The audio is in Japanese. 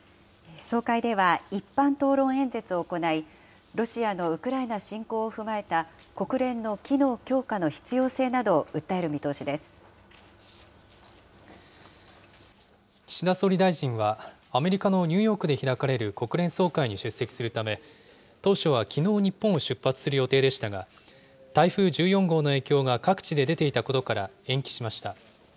総会では、一般討論演説を行い、ロシアのウクライナ侵攻を踏まえた国連の機能強化の必要性などを岸田総理大臣は、アメリカのニューヨークで開かれる国連総会に出席するため、当初はきのう日本を出発する予定でしたが、台風１４号の影響が各地で出ていたことから延期しました。